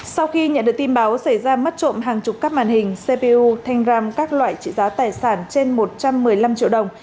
sau khi nhận được tin báo xảy ra mất trộm hàng chục các màn hình cpu thanh răm các loại trị giá tài sản trên một trăm một mươi năm triệu đồng